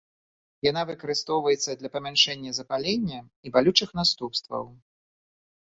Яна выкарыстоўваецца для памяншэння запалення і балючых наступстваў.